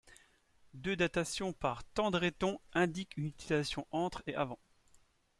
Deux datations par Tandétron indiquent une utilisation entre et av.